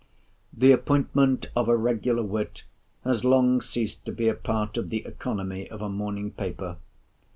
The appointment of a regular wit has long ceased to be a part of the economy of a Morning Paper.